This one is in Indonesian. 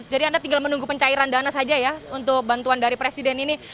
jadi anda tinggal menunggu pencairan dana saja ya untuk bantuan dari presiden ini